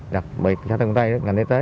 đặc biệt xã tân quy tây ngành y tế